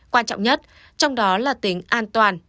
quan trọng nhất trong đó là tính an toàn